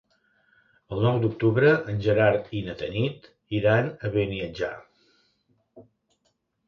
El nou d'octubre en Gerard i na Tanit iran a Beniatjar.